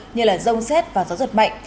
như là rông xét và gió giật mạnh